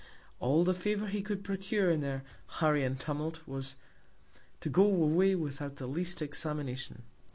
All the Favour he could procure, in their Hurry and Tumult, was, to go away without the least Examination.